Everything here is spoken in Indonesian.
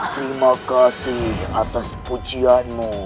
terima kasih atas pujianmu